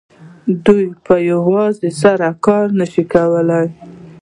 دوی په یوازې سر کار نه شي کولای